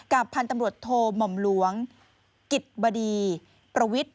กับพันธุ์ตำรวจโทมหมลวงกิจบดีประวิด